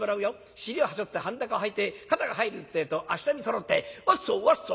尻をはしょって半股引はいて肩が入るってえと足並みそろってわっしょいわっしょい！